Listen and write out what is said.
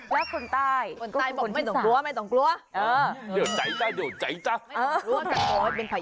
โคตรพาเมียมาอยู่ข้างหน้านี่